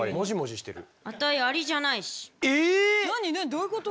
どういうこと？